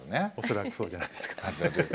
恐らくそうじゃないですか？